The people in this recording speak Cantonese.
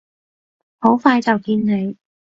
好快就見你！